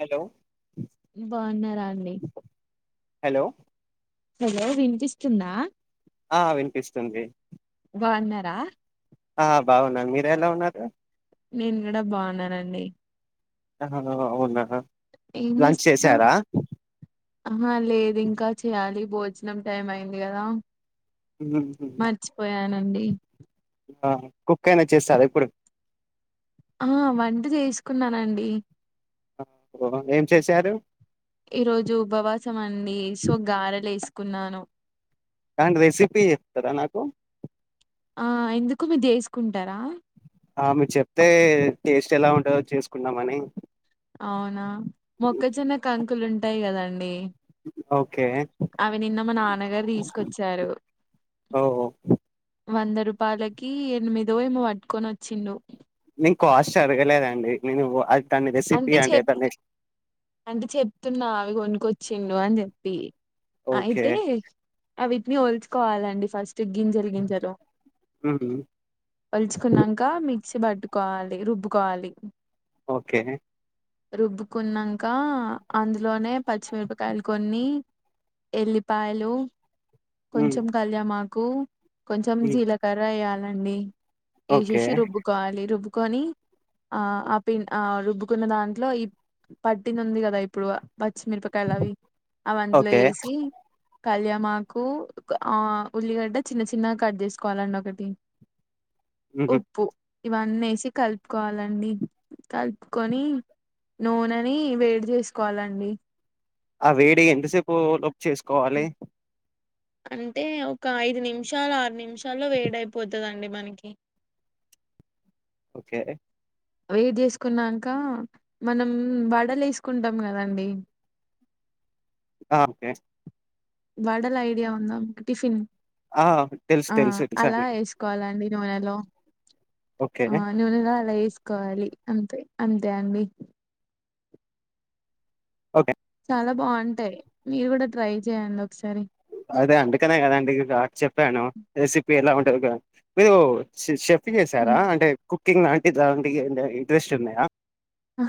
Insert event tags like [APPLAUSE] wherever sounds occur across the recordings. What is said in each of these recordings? Hello బాగున్నారా అండి hello hello వినిపిస్తుందా ఆ వినిపిస్తుంది బాగున్నరా ఆ బాగున్నారు మీర ఎలా ఉన్నారు నేను కూడా బాగున్నానండి ఆ అవునా లంచ్ చేసారా ఆహ లేదు ఇంకా చెయాలి భోజనం టైం అయింది కదా [INAUDIBLE] అండి కుక్ అయినా చేస్తారు ఇప్పుడు ఆ వంట చేసుకున్నానండి హ ఏం చేశారు ఈ రోజు ఉపవాసం అండి సో గారలేస్ కున్నాను అండ్ రెసిపీ తర నాకు ఆ ఎందుకు మీది చేసుకుంటారా ఆ మీరు చెప్తే టేస్ట్ ఎలా ఉంటదో చేసుకున్నామని అవునా మొక్కజొన్న కంకులు ఉంటాయ్ కదండి ఓకే అవి నిన్న మా నాన్నగారు తీసుకొచ్చారు ఓ వంద రూపాలకీ ఎనిమిదో ఏమో పట్టుకొని వచ్చిండు కాస్ట్ అడగలేదండి నేను వో అట్ దాన్ని రెసిపీ అంటే దన్ని అంటే చెప్తున్నా అవి గొనుక్కొచ్చిండు అని చెప్పి ఓకే అయితే అవిటిని వొల్చుకోవాలండి ఫస్ గింజలు గింజలు మ్మ్ వల్చుకున్నంక మిక్సీ పట్ క్వాలి రుబ్బుకోవాలి ఓకే రుబ్బుకున్నన్ కా అందులోనే పచ్చిమిరపకాయలు కొన్ని ఎల్లిపాయలు మ్మ్ కొంచం కళ్యమాక్ కూ కొంచం మ్మ్ జీలకర్ర య్యల అండీ ఓకే ఏశేషి రుబ్బుకోవాలి రుబ్ కొని ఆ ఆ పిన్ ఆ రుబ్బుకున్న దాంట్లో ఈ పట్టింది ఉంది కదా ఇప్పుడు పచ్చిమిరపకాయలు అవి అవందులో ఓకే ఏసి కళ్యామాకు ఆ ఉల్లిగడ్డ చిన్న చిన్నగ కట్ చేసుకోవాలండి ఒకటి మ్మ్ ఉప్పు ఇవన్నేసి కలుపుకోవాలండి కలుపుకొని నూనె ని వేడి చేసుకోవాలండి ఆ వేడి ఎంతసేపు లోపు చేసుకోవాలి అంటే ఒక ఐదు నిమిషాలు ఆరు నిమిషాల్లో వేడి అయిపోతుందండి మనకి ఓకే వేడి చేసుకున్నాకా మనం వడలు వేసుకుంటాం కదండి అ ఓకే వడల్ ఐడియా ఉందా టిఫిన్ ఆ తెలుసు ఆ తెలుసు అలా [UNINTELLIGIBLE] వేసుకోవాలండి నూనెలో ఓకే ఆ నువనెలా అలా వేసుకోవాలి అంతే అంతే అండి ఓకే చాలా బావుంటాయి మీరు కూడా ట్రై చేయండి ఓ అదే అందుకనే కదాండిగా చెప్పాను రెసిపీ ఎలా ఉం నువ్వు కా మీరు సి సెఫ్ తినేశారా అంటే కు కుకింగ్ నాంటి జంబియాందో ఇంట్రెస్ట్ ఉన్నాయా.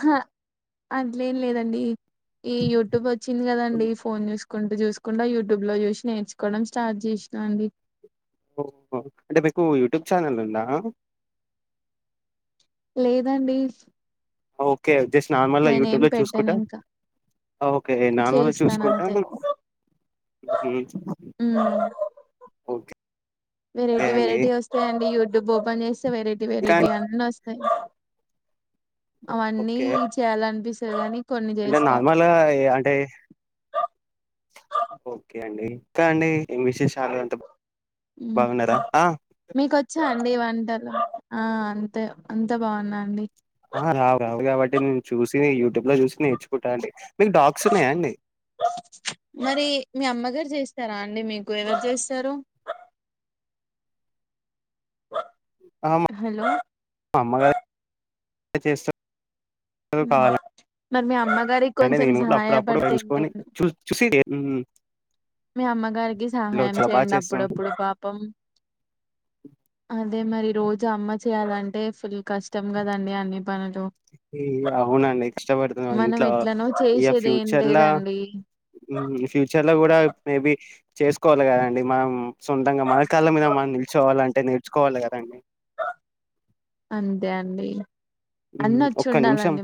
హ అట్లేం లేదండి ఈ యూట్యూబ్ వచ్చింది కదండి ఫోన్ చూస్ కుంటూ చూసుకుండా యూట్యూబ్ లో చూసి నేర్చుకోవడం స్టార్ట్ చేసినా అండి. ఓహో అంటే మీకు యూట్యూబ్ ఛానల్ ఉందా లేదండి ఓకే జస్ట్ నార్మల్గా నేనేం యూట్యూబ్ లో పెట్టను చూసుకుంటా ఇంకా ఓకే నార్మల్గా చేస్తాను చూసుకుంటా అంతే ఉ ఊ ఓకే వెరైటీ అండి వెరైటీ వస్తాయండి యూ దు బోబనేస్ చ్చ వెరైటీ ఇంకా వెరైటీ అండి? అన్నస్ ధై అవన్నీ ఓకే చేయాలనిపిస్ ఊ అని అంటే నార్మల్గా య అంటే ఓకే అండి ఇక్క అండి ఎం విశేస్ చాల అంత బాగున్నరా ఆ మీ వంటలు ఆ అంతే అంతా బావున్నా అండి ఆ రావు రావు కాబట్టి నేను చూసి యూట్యూబ్ లో చూసి నేర్చుకుంటా అండి. మీకు డాగ్స్ ఉన్నాయా అండి మరి మీ అమ్మగారు జెస్ సరా అండి మీకు ఎవరు జెస్సరు అమ్ హలో మ అమ్మగారే అ చేస్స ఉ మరి మీ అమ్మ న్ అంటే నేను అప్పుడప్పుడు ఎంచుకొని చూ చూసి ఉ ఉ మీ అమ్మగారికి సహాయం బాగా చేయండి చేస్తాం అప్పుడప్పుడు పాపం అదే మరి రోజు అమ్మ చేయాలంటే ఫుల్ కష్టం గదండి అన్ని పనులు ఈ అవునండి ఇష్టపడుతున్న మనం ఇంట్ల ఎట్లనో ఇయ చేసేది ఏం ఫ్యూచర్లాఊ లేదండి ఫ్యూచర్ ల గుడా మేబి చేసుకోవాలె కదండి మ సొంతంగ మన కాళ్ళ మీద మనం నిల్చుకోవాలంటే నేర్చుకోవాలె గదండి అంతే అండీ ఊ ఒక్క నిమిషం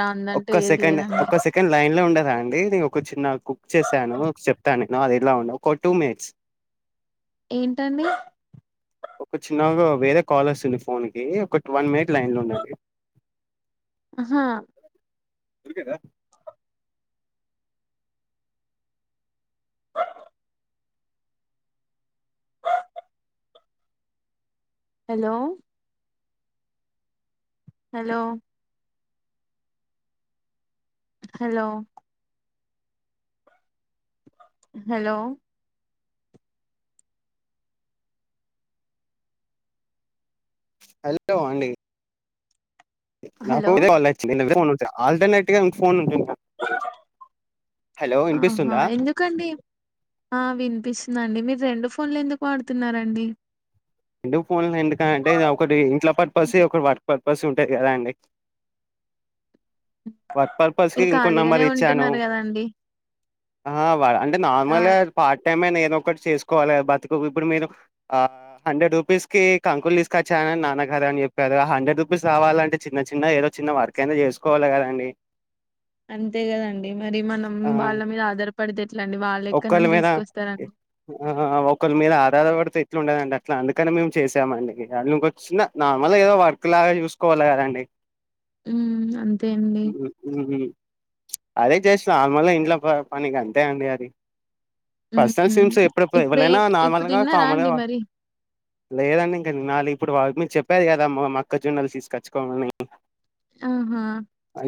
రాందంటూ ఒక్క ఏది సెకండ్ లేదండి ఒక్క సెకండ్ లైన్ లో ఉండరా అండి నేను ఒక చిన్న కుక్ చేశాను చెప్తాను నాది ఎలా ఉందో ఒక టూ మినిట్స్ ఏంటండి ఒక చిన్నగా వేరే కాల్ ఓస్తుంది ఫోన్ కి ఒక టూ వన్ మినిట్ లైన్ లో ఉండండి అ హా దొరికి రా hello hello hello hello hello అండీ నాకు హలో ఇదే కాలచి ఇదే పోనూ ఆల్టర్నేట్గా ఫోన్ ఉంటు ఆహా వినిపిస్తుందా ఎందుకండి ఆ వినిపిస్తుందండి మీ రెండు ఫోన్లు ఎందుకు వాడుతున్నారండి రెండు ఫోన్లు ఎందుకనీ అంటే అది ఒకటి ఇంట్ల పర్పస్ ఒకటి వర్క్ పర్పస్ ఉంటది గదా అండీ వర్క్ పర్పస్ కి మీరు ఖాళీగానే ఇంకోనంబర్ ఇచ్చాను ఉంటున్నారు కదండి ఆ వా అంటే కా నార్మల్ పార్ టైమ్ ఒకటి చేసుకోవాలి బతుకు ఇప్పుడు మీరు ఆ హండ్రెడ్ రూపీస్ కి కంకులు తీసుకొచ్చానని నాన్నగారు అని చెప్పారు హండ్రెడ్ రూపీస్ రావాలంటే చిన్న చిన్న ఏదో చిన్న వర్క్ అయినా చేసుకోవాలి కదండి అంతే కదండి మరి మనం ఆ వాళ్ళ మీద ఆధారపడితే ఎట్లాండి వాళ్ళ ఎక్కడ ఒక్కళ నుండి మీద తీసుకొస్తారండి ఉండదండి అట్లా అందుకని మేము చేసామండి వా ఇంకొచ్చిన నార్మల్గా ఏదో వర్క్ లాగా చూసుకోవాలి కదండి ఉ అంతే అండి చేస నార్మల్ ఇంట్లో పనికి అంతే అండి అది పర్సనల్ ఉహు సిమ్స్ ఎప్పుడప్పు ఇప్పుడే ఎవరైనా ఇప్పుడు నార్మల్ గా తిన్నారా కామల్ అండి గా మరి లేదండి ఇంకా తినాలి ఇప్పుడు వాళ్ళ మీద చెప్పారు కదా మా మ మోక్కజొన్నలు తీసుకొచ్చుకోవాలని ఆహా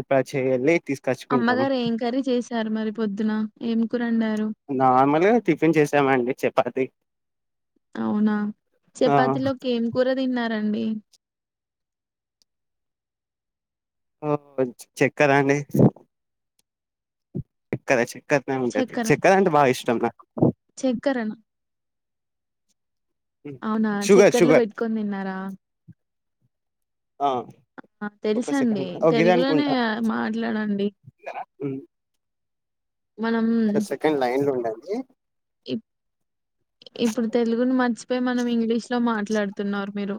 [UNINTELLIGIBLE] తీసుకచ్చుకుంటాము అమ్మగారు ఏం కర్రీ చేశారు మరి పొద్దున ఏం కూరండారు నార్మల్గా టిఫిన్ చేసామండి చపాతి అవునా ఆ చపాతిలోకి ఏం కూర తిన్నార బి ఓ చెక్కరా అండి ఇక్కడ చే చక్కనే ఉంటది చెక్కద అంట బా ఇష్టం [UNINTELLIGIBLE] చక్కరణ అవునా షుగర్ చక్కెర్లో షుగర్ పెట్టుకొని తిన్నారా ఆ ఒక తెలుస అండి సెకండ్ ఓ గిదే తెలుగులోనే అనుకుంటా కదా మాట్లాడండి మ్మ్ సెకండ్ లన్లో ఇ ఇప్పుడు తెలుగును మర్చిపోయి మనం ఇంగ్లీష్ లో మాట్లాడుతున్నారు మీరు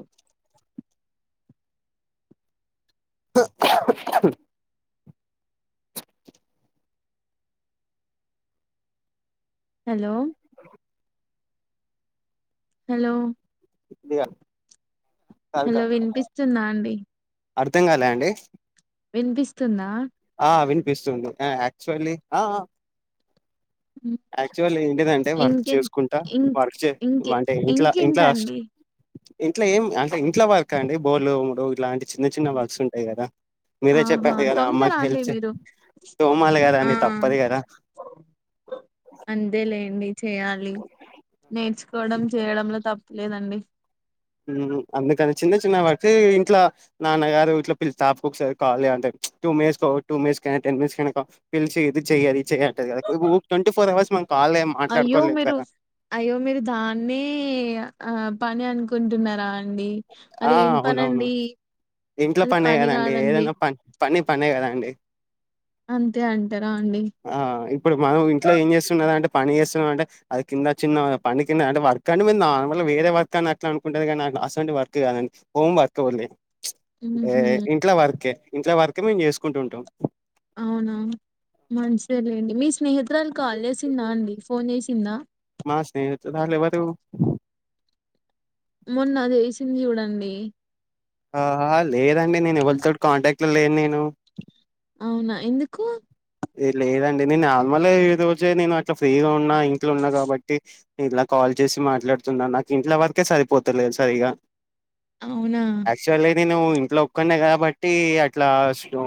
హలో హలో ఇలియ హలో వినిపిస్తుందా అండి అర్ధం కాలా అండి వినిపిస్తుందా ఆ వినిపిస్తుంది యాక్చువల్లీ ఉమ్, యాక్చువల్ ఏంటిదంటే వర్క్ ఇంకే చేసుకుంటా ఇం వర్క్ చే ఇంకే అంటే ఇంట్లా ఇంట్లో స్ట్ ఇంకేంటండి ఇంట్లో ఏం అంటే ఇంట్లో వర్క్ అండి బోల్ముడు ఇలాంటి చిన్న చిన్న వర్క్స్ ఉంటాయి కదా మీరే ఆహా చెప్పారు కదా తోముతారా అమ్మకి అండి హెల్ప్ మీరు తోమాలి కదా ఆ అండి తప్పదు కదా అంతే లేండి చేయాలి నేర్చుకోవడం చేయడంలో తప్పు లేదండి ఉ అందుకని చిన్న చిన్న వాటి ఇంట్ల నాన్నగారు ఇట్లో పిలిసి తపకొక సారి కాల్ చేయ్ అంటే టూ మేయర్స్కో టూ మేయర్స్ కైనా టెన్ మియర్స్ కైనాక పిలిచి ఇది చెయ్ అది చెయ్ అంటది కదా ట్వంటీ ఫోర్ అవర్స్ మన అయ్యో మీరు అయ్యో మీరు దాన్నే ఆ పని అనుకుంటున్నారా అండి ఆ అది ఏం అవునవును పనండి ఇంట్లో అది పనే పని కదండి కాదండి ఏదైనా ప పని పనే కదా అండి అంతే అంటారా అండి ఆ ఇప్పుడు మనం ఇంట్లో ఏం చేస్తున్నద అంటే పని చేస్తున్నాం అంటే అది కింద చిన్న పని కింద అంటే వర్క్ అంటే నార్మల్ వేరే వర్క్ అని అట్లా అనుకుంటేది కానీ నా అస్సంటి వర్క్ కాదండి హోమ్ వర్క్ ఉంది ఏ ఉహు ఇంట్ల వరకే ఇంట్ల వరక ఇం మేము చేసుకుంటు ఉంటాం అవునా మంచిదేలేండి మీ స్నేహితురాలు కాల్ చేసిందా అండి ఫోన్ చేసిందా మా స్నేహితురాలు ఎవరు మొన్న చేసింది చూడండి ఆ లేదండి నేను ఎవరితోటి కాంటాక్ట్ లో లేను నేను అవునా ఎందుకు ఏ లేదండి నేను నార్మల్ ఈ రోజే నేను అట్లా ఫ్రీగా ఉన్నా ఇంట్లో ఉన్నా కాబట్టి ఇలా కాల్ చేసి మాట్లాడుతున్నా నాకు ఇంట్ల వరకే సరిపోతలేదు సరిగా అవునా యాక్చువల్లీ నేను ఇంట్లో ఒక్కడినే కాబట్టి అట్లా ఉ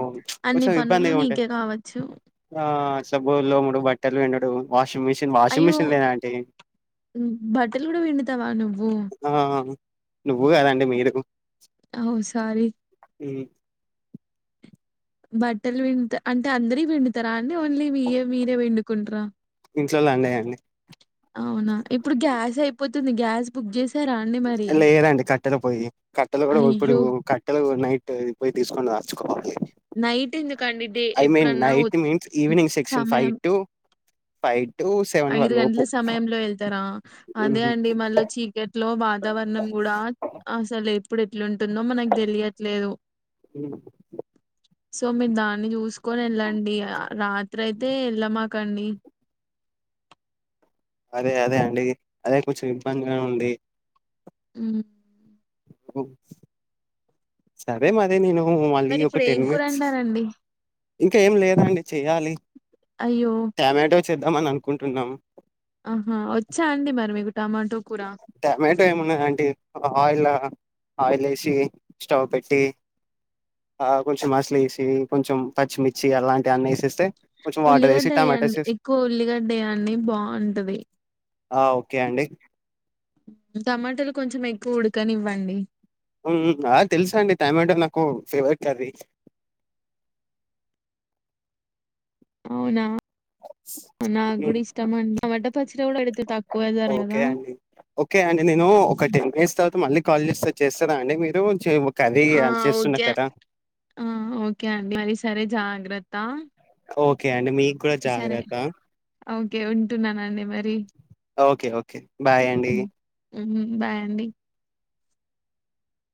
కొంచెం ఇబ్బంది గా ఉండే చ్చు ఆ స బోళ్ళు తోముడం బట్టలు పిండడం వాష్ అయ్యో బట్టలు కూడా పిండుతావా నువ్వు ఆ నువ్వు కదండి మీరు ఓ సారీ ఉ బట్టలు పిండుత అంటే అందరి పిండుతారా అండి ఓన్లీ మీవీ మీరే పిండుకుంటార ఇంట్లోల్ల అందరివీ అండి పోతుంది గ్యాస్ బుక్ చేసి లేదండి కట్టెలు పోయి కట్టలు కూడా ఇప్పుడు అయ్యో కట్టెలు నైట్ అంటే పోయి తీసుకుండదా నైట్ ఎందుకండి డే ఐ మీన్ ఎప్పుడన్నా night means evening section five సమయం టు ఫైవ్ టు సెవెన్ వర ఐదు గంటల లోపు సమయంలో వెళ్తారా అదే ఉహు. అండి మళ్ళీ చీకట్లో వాతావరణం కూడా అసలే ఎట్లుందో మనకు తెలియట్లేదు సో మీరు దాన్ని చూసుకొని వెళ్ళండి డి ఆ రాత్ రాత్రి అయితే ఎళ్ళమాకండి అదే అదే అండి అదే కొంచెం ఇబ్బందిగా ఉంది ఉ ఓ సరే మరి నేను మళ్ళీ మరి ఒక ఇప్పుడు ఏం టెన్ కూర మినిట్స్ అండారండి ఇంకా ఏం లేదండి చెయ్యాలి అయ్యో చేద్దామ అని అనుకుంటున్నాము ఆహా వచ్చా అండి మరి మీకు టమాటో కూర టమాటో ఏమున్నాదండి ఆయిల్ ఆయిల్ వేసి స్టవ్ పెట్టి ఆ కొంచెం ఆస్లు వేసి కొంచెం పచ్చిమిర్చి అలాంటి అన్నీ వేసేస్త ఉల్లిగడ్డ వేయండి ఎక్కువ ఉల్లిగడ్డ వేయండి బాగుంటది ఆ ఓకే అండి టమాటాలు కొంచెం ఎక్కువ ఉడకనివ్వండి ఉ తెలుసా అండి టమాటో నాకు ఫేవరెట్ అది అవునా నాకు కూడా ఇష్టం అండి టమాటా పచ్చడి కూడా పెడితే తక్కువ ధర ఓకే కదా అండి ఓకే అండి నేను ఒక టెన్ డేస్ తర్వాత మళ్ళీ కాల్ చేస్త వచ్చేస్తా. అండి మీరు చేయ ఆ ఓకే ఆ ఓకే అండి మర సరే చాడి జగ్రత ఓ సరే ఓకే ఉంటున్నానండి మరి ఓకే ఓకే బాయ అండి బాయండి